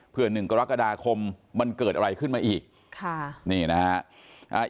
เพื่อหนึ่งกรกฎาคมมันเกิดอะไรขึ้นมาอีกค่ะนี่นะฮะอ่า